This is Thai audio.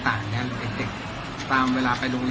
ถ้ามันสร้างแล้วไป